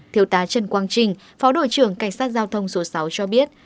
thiếu tá trần quang trình phó đội trưởng cảnh sát giao thông số sáu cho biết